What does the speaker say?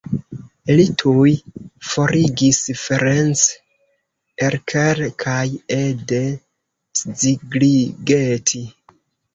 Li tuj forigis Ferenc Erkel kaj Ede Szigligeti.